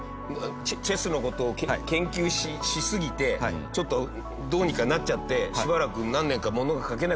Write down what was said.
チェスの事を研究しすぎてちょっとどうにかなっちゃってしばらく。